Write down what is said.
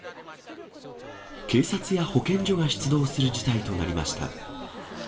警察や保健所が出動する事態となりました。